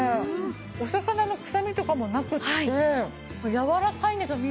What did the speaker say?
お魚の臭みとかもなくってやわらかいんですよ